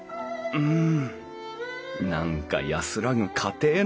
うん？